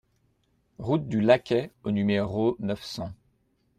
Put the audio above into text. Route du Lacay au numéro neuf cents